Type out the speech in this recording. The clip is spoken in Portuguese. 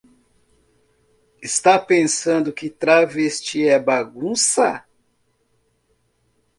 Está pensando que travesti é bagunça?